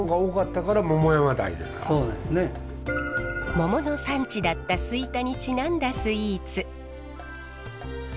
モモの産地だった吹田にちなんだスイーツ。